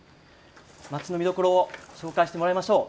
町の見どころを紹介してもらいましょう。